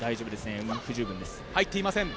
入っていません。